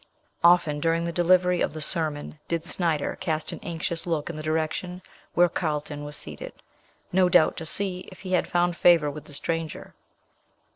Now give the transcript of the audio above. Often during the delivery of the sermon did Snyder cast an anxious look in the direction where Carlton was seated; no doubt to see if he had found favour with the stranger.